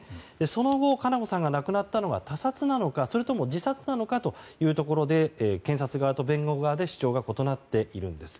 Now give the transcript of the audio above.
その後、佳菜子さんが亡くなったのが他殺なのかそれとも自殺なのかというところで検察側と弁護側で主張が異なっているんです。